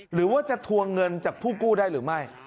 หรือว่าจะทวงเงินจากผู้กู้ได้หรือไม่